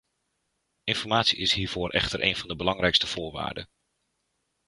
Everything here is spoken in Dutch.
Informatie is hiervoor echter een van de belangrijkste voorwaarden.